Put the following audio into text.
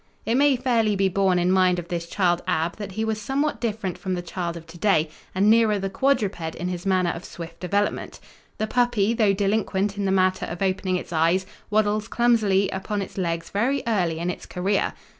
It may fairly be borne in mind of this child Ab that he was somewhat different from the child of to day, and nearer the quadruped in his manner of swift development. The puppy though delinquent in the matter of opening it's eyes, waddles clumsily upon its legs very early in its career.